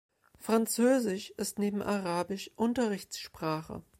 Französisch ist neben Arabisch Unterrichtssprache.